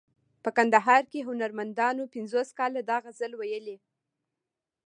په کندهار کې هنرمندانو پنځوس کاله دا غزل ویلی.